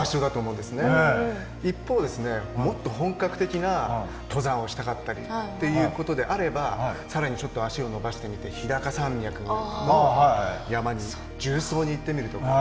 もっと本格的な登山をしたかったりということであれば更にちょっと足を延ばしてみて日高山脈の山に縦走に行ってみるとかそういったこともできる。